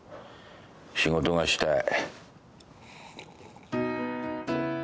仕事がしたい。